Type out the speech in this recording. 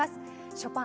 ショパン